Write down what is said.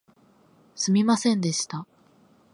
すみませんでした